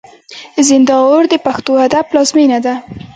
زينداور د پښتو ادب پلازمېنه ده.